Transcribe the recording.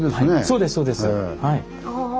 そうですそうです。ああ。